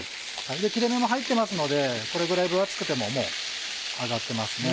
切れ目も入ってますのでこれぐらい分厚くてももう揚がってますね。